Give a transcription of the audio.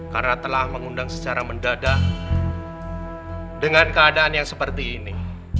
karena telah mengundang secara mendadak dengan keadaan yang seperti ini